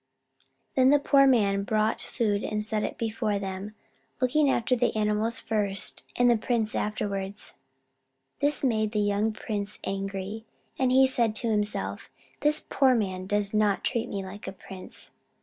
Then the poor man brought food and set it before them, looking after the animals first and the prince afterwards. This made the young prince angry, and he said to himself: "This poor man does not treat me like a prince.